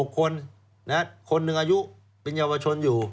๖คนคนหนึ่งอายุเป็นเยาวชนอยู่